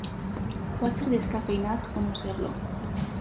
Pot ser descafeïnat o no ser-lo.